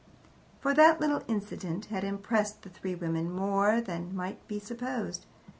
For that little incident had impressed the three women more than might be supposed.